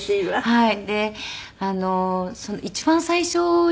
はい。